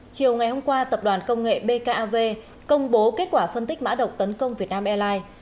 chiều ngày hôm qua tập đoàn công nghệ bkav công bố kết quả phân tích mã độc tấn công việt nam airlines